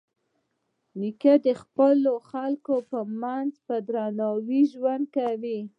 نیکه د خپلو خلکو په منځ کې په درناوي ژوند کوي.